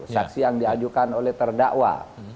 saksi yang diajukan oleh terdakwa